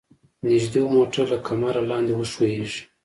نږدې و موټر له کمره لاندې وښویيږي.